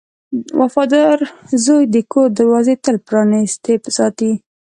• وفادار زوی د کور دروازه تل پرانستې ساتي.